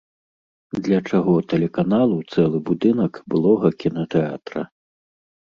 Для чаго тэлеканалу цэлы будынак былога кінатэатра?